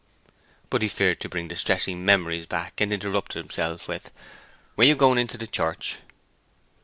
But he feared to bring distressing memories back, and interrupted himself with: "Were you going into church?"